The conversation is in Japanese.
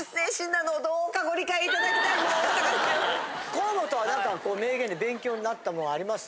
河本は何かこう名言で勉強になったものあります？